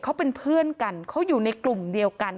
เขาเป็นเพื่อนกันเขาอยู่ในกลุ่มเดียวกัน